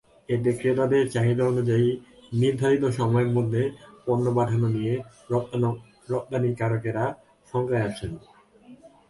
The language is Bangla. এতে ক্রেতাদের চাহিদানুযায়ী নির্ধারিত সময়ের মধ্যে পণ্য পাঠানো নিয়ে রপ্তানিকারকেরা শঙ্কায় আছেন।